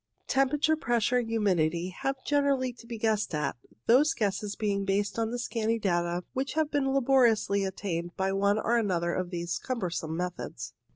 Temperature, pressure, humidity, have generally to be guessed at, those guesses being based on the scanty data which have been laboriously obtained by one or another of these cumbrous methods.